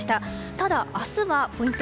ただ、明日はポイント